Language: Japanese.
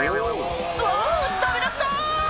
「あダメだった」